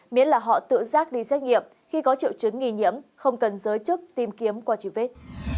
miễn là họ tự giác đi xét nghiệm khi có triệu chứng nghi nhiễm không cần giới chức tìm kiếm qua chỉ vít